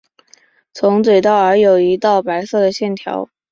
从嘴到耳有一道白色的线条。